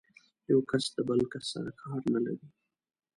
يو کس د بل کس سره کار نه لري.